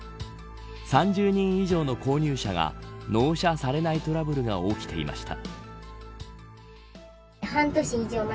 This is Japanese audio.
３０人以上の購入者が納車されないトラブルが起きていました。